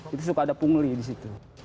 itu suka ada pungli di situ